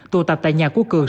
tù tập tại nhà của cường